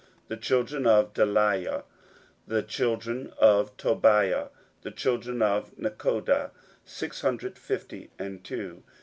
16:007:062 The children of Delaiah, the children of Tobiah, the children of Nekoda, six hundred forty and two.